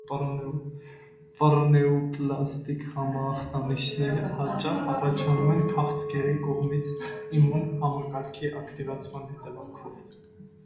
Պարանեոպլաստիկ համախտանիշները հաճախ առաջանում են քաղցկեղի կողմից իմուն համակարգի ակտիվացման հետևանքով։